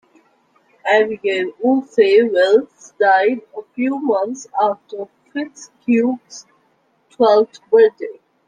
Abigail Woolsey Wells died a few months after Fitz Hugh’s twelfth birthday.